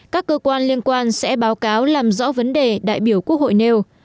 các cơ quan liên quan sẽ báo cáo làm rõ vấn đề đại biểu quốc hội nêu